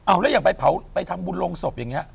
เอาแล้วอย่างไปเผาไปทำบุญลงศพอย่างนี้